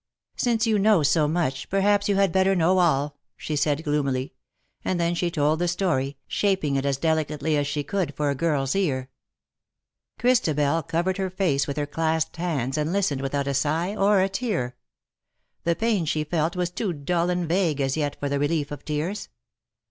"Since you know so much, perhaps you had better know alV * she said, gloomily ; and then she told the story, shaping it as delicately as she could for a girFs ear. Christabel covered her face with her clasped hands, and listened without a sigh or a tear. The pain she felt was too dull and vague as yet for the relief of tears.